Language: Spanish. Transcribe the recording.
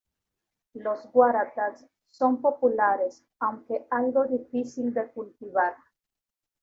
Los Waratahs son populares, aunque algo difícil de cultivar.